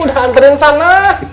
udah anterin sana